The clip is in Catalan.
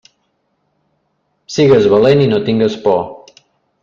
Sigues valent i no tingues por.